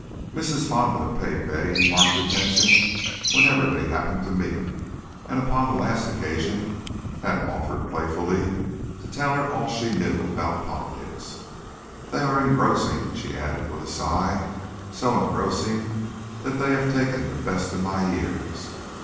Mrs. Fonda paid Betty marked attention whenever they happened to meet, and upon the last occasion had offered playfully to tell her "all she knew" about politics. "They are engrossing," she added with a sigh, "so engrossing that they have taken the best of my years.